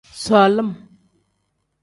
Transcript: Solim.